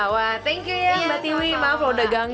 wah thank you ya mbak tiwi maaf loh dagang